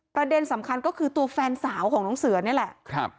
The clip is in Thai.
ประเด็นสำคัญก็คือตัวแฟนสาวของน้องเสือนี่แหละ